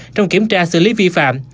trong kiểm tra xử lý vi phạm